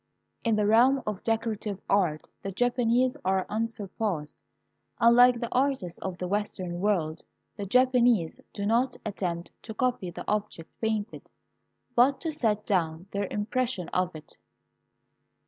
In the realm of decorative art the Japanese are unsur passed. Unlike the artists of the Western world, the Japan ese do not attempt to copy the object painted, but to set down their impression of it.